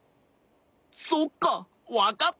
そっかわかった！